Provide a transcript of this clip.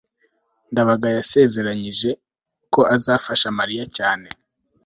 ndabaga yasezeranyije ko azafasha mariya cyane